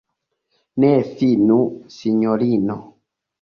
Ne finu, sinjorino!